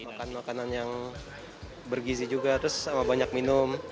makan makanan yang bergizi juga terus sama banyak minum